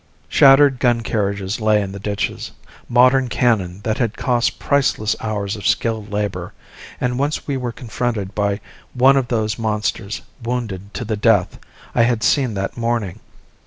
Shattered gun carriages lay in the ditches, modern cannon that had cost priceless hours of skilled labour; and once we were confronted by one of those monsters, wounded to the death, I had seen that morning.